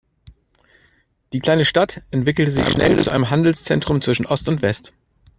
Die kleine Stadt entwickelte sich schnell zu einem Handelszentrum zwischen Ost und West.